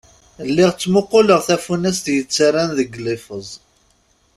Lliɣ ttmuquleɣ tafunast yettarran deg liffeẓ.